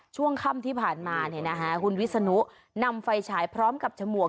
ช่วงค่ำที่ผ่านมาคุณวิศนุนำไฟฉายพร้อมกับฉมวก